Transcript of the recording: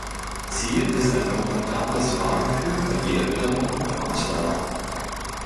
Ziel ist ein komfortables Fahrgefühl bei jeder Witterung und Fahrtdauer.